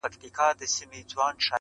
چي خبر یې خپل هوښیار وزیر په ځان کړ٫